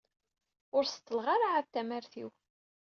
Ur seṭṭleɣ ara ɛad tamart-iw.